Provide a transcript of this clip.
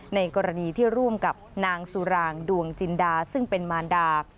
ในกรณีที่ร่วมกับนางสุรางดวงจินดาซึ่งเป็นมารดา